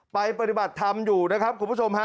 ปฏิบัติธรรมอยู่นะครับคุณผู้ชมฮะ